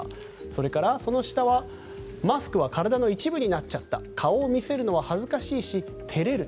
それから、その下はマスクは体の一部になっちゃった顔を見せるのは恥ずかしいし照れる。